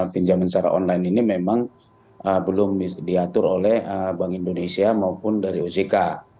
pinjaman secara online ini memang belum diatur oleh bank indonesia maupun dari ojk